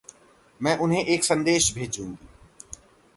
मैं उन्हें एक संदेश भेजूंगी।